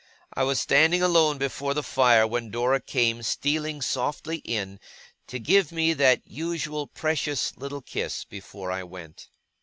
I was standing alone before the fire, when Dora came stealing softly in, to give me that usual precious little kiss before I went.